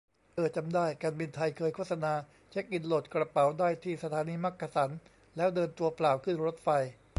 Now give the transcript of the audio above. เอ้อจำได้ การบินไทยเคยโฆษณา เช็กอิน โหลดกระเป๋าได้ที่สถานีมักกะสัน แล้วเดินตัวเปล่าขึ้นรถไฟ